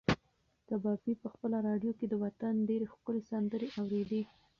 کبابي په خپله راډیو کې د وطن ډېرې ښکلې سندرې اورېدې.